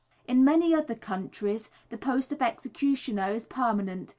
In many other countries the post of executioner is permanent.